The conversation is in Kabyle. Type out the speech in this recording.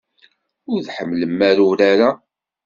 Ur tḥemmlem urar-a.